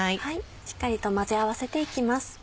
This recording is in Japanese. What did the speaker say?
しっかりと混ぜ合わせていきます。